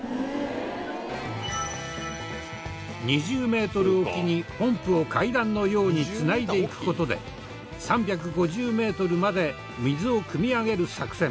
２０メートルおきにポンプを階段のようにつないでいく事で３５０メートルまで水をくみ上げる作戦。